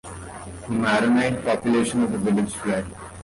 The Maronite population of the village fled.